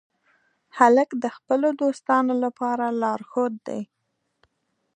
هلک د خپلو دوستانو لپاره لارښود دی.